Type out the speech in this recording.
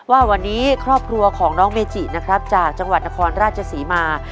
ว่าวันนี้ครอบครัวของน้องเมจินะครับจากจังหวัดนครราชศรีมา